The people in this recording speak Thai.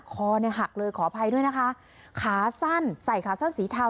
คอเนี่ยหักเลยขออภัยด้วยนะคะขาสั้นใส่ขาสั้นสีเทา